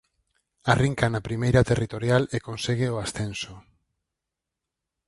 Arrinca na Primeira Territorial e consegue o ascenso.